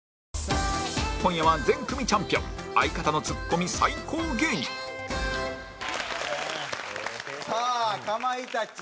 今夜は全組チャンピオン相方のツッコミ最高芸人さあかまいたち。